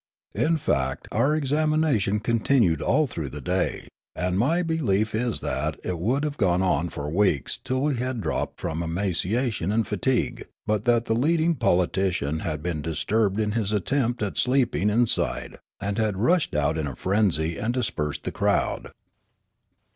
In fact our examination continued all through the day; and my belief is that it would have gone on for weeks till we had dropped from emaciation and fatigue, but that the leading poli tician had been disturbed in his attempt at sleeping in side, and had rushed out in a frenzy and dispersed the crowd.